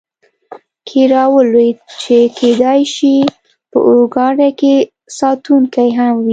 کې را ولوېد، چې کېدای شي په اورګاډي کې ساتونکي هم وي.